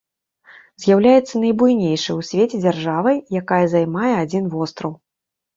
З'яўляецца найбуйнейшай у свеце дзяржавай, якая займае адзін востраў.